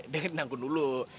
dengerin aku dulu